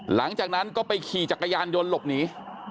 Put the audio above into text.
หลังจากนั้นก็ไปขี่จักรยานยนต์หลบหนี